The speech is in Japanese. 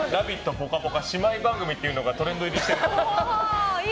ぽかぽか姉妹番組」っていうのがトレンド入りしてて。